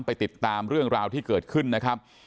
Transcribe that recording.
ติดตามเรื่องราวที่เกิดขึ้นนะครับ